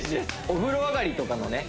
お風呂上がりとかのね